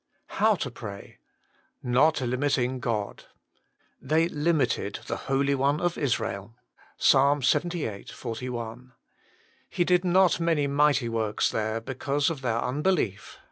HOW TO PRAY. $.ot limiting <Soi "They limited the Holy One of Israel." Ps. Ixxviii. 41. "He did not many mighty works there because of their un belief.